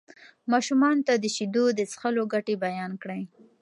ماشومانو ته د شیدو د څښلو ګټې بیان کړئ.